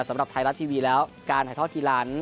สำหรับไทยรัฐทีวีแล้วการถ่ายทอดกีฬานั้น